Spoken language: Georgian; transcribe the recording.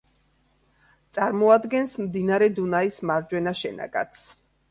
წარმოადგენს მდინარე დუნაის მარჯვენა შენაკადს.